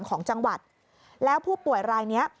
ของจังหวัดแล้วผู้ป่วยรายนี้